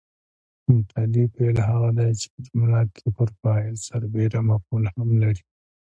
متعدي فعل هغه دی چې په جمله کې پر فاعل سربېره مفعول هم لري.